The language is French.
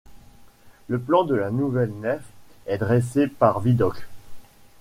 Le plan de la nouvelle nef est dressé par Villedoc.